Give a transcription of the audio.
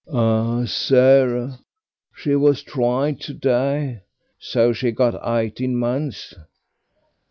"Ah, Sarah. She was tried to day. So she got eighteen months."